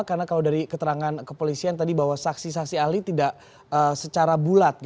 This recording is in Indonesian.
karena kalau dari keterangan kepolisian tadi bahwa saksi saksi ahli tidak secara bulat